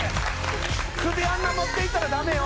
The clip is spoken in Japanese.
「首あんな持っていったらダメよ」